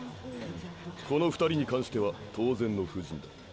この２人に関しては当然の布陣だ。